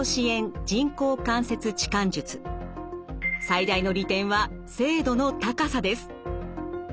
最大の利点は精度の高さです。